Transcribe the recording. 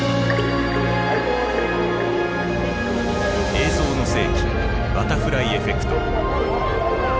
「映像の世紀バタフライエフェクト」。